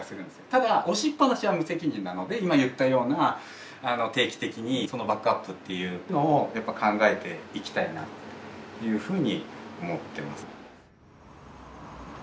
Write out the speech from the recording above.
ただ押しっぱなしは無責任なので今言ったような定期的にバックアップっていうのを考えていきたいなっていうふうに思ってます。